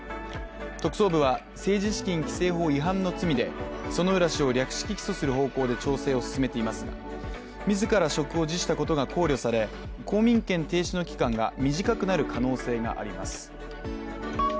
特捜部は政治資金規正法違反の罪で薗浦氏を略式起訴する方向で調整を進めていますが、自ら職を辞したことが考慮され、公民権停止の期間が短くなる可能性があります。